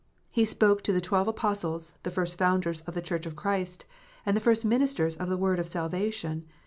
He spoke to the twelve Apostles, the first founders of the Church of Christ, and the first ministers of the Word of salvation.